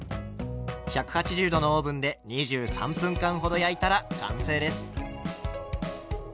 １８０℃のオーブンで２３分間ほど焼いたら完成です。